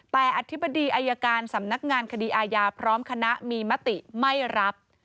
แต่อธิบดีอายการสำนักงานคดีอาญาพร้อมคณะมีมติไม่รับ